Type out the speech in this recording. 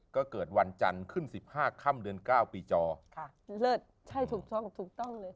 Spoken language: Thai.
ก็เกิดวันจันทร์ขึ้นสิบห้าค่ำเดือนเก้าปีจอค่ะเลิศใช่ถูกต้องถูกต้องเลย